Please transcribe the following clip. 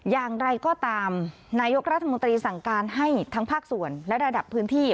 อย่างไรก็ตามนายกรัฐมนตรีสั่งการให้ทั้งภาคส่วนและระดับพื้นที่